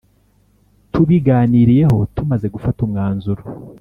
Tubiganiriyeho tumaze gufata umwanzuro